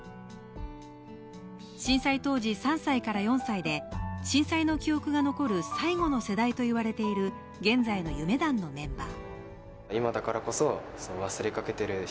震災当時、３歳から４歳で震災の記憶が残る最後の世代と言われている現在の夢団のメンバー。